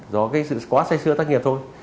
do cái sự quá say sữa tác nghiệp thôi